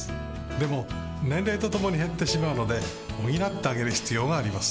でも年齢とともに減ってしまうので補ってあげる必要があります